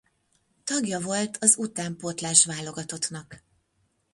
Tagja volt az utánpótlás válogatottnak.